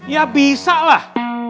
ya bisa lah